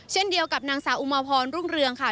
เช่นเดียวกับนางสาวอุมาพรรุ่งเรืองค่ะ